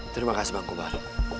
terima kasih bang kobar